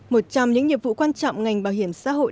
một trong những nhiệm vụ quan trọng ngành bảo hiểm xã hội